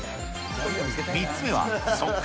３つ目は、速乾！